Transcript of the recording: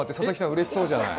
うれしそうじゃない。